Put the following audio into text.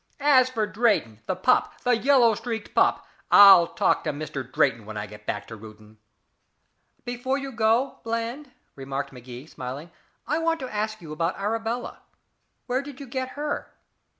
As for Drayton, the pup, the yellow streaked pup I'll talk to Mister Drayton when I get back to Reuton." "Before you go, Bland," remarked Magee, smiling, "I want to ask about Arabella. Where did you get her?"